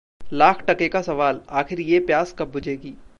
लाख टके का सवाल: आखिर ये प्यास कब बुझेगी?